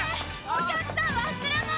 お客さん忘れ物！